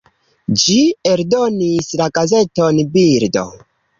Ĝi eldonis la gazeton "Birdo".